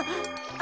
あ！